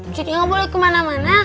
jadi gak boleh kemana mana